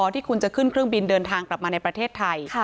ที่คุณจะขึ้นเครื่องบินเดินทางกลับมาในประเทศไทย